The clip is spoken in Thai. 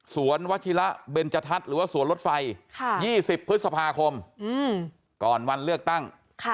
วัชิระเบนจทัศน์หรือว่าสวนรถไฟ๒๐พฤษภาคมก่อนวันเลือกตั้ง